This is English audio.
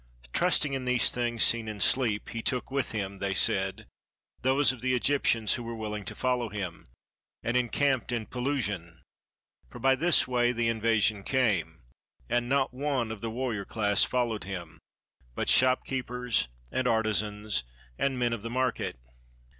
Trusting in these things seen in sleep, he took with him, they said, those of the Egyptians who were willing to follow him, and encamped in Pelusion, for by this way the invasion came: and not one of the warrior class followed him, but shop keepers and artisans and men of the market.